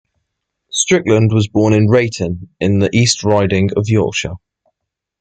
Strickland was born at Reighton, in the East Riding of Yorkshire.